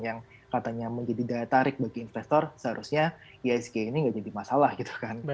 yang katanya menjadi daya tarik bagi investor seharusnya isg ini nggak jadi masalah gitu kan